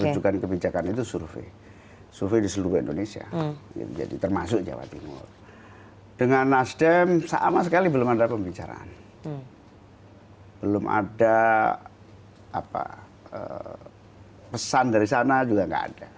rujukan kebijakan itu survei survei di seluruh indonesia jadi termasuk jawa timur dengan nasdem sama sekali belum ada pembicaraan belum ada pesan dari sana juga tidak ada